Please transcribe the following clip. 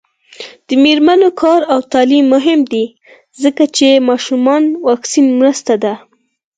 د میرمنو کار او تعلیم مهم دی ځکه چې ماشومانو واکسین مرسته ده.